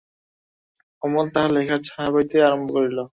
অমল তাহার লেখা ছাপাইতে আরম্ভ করিল।